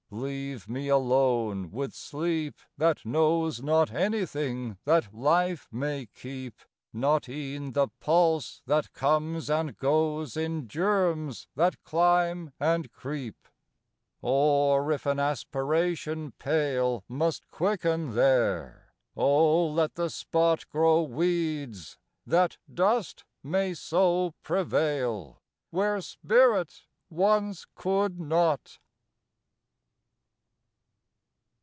Leave me alone with sleep that knows Not anything that life may keep Not e'en the pulse that comes and goes In germs that climb and creep. Or if an aspiration pale Must quicken there oh, let the spot Grow weeds! that dust may so prevail Where spirit once could not!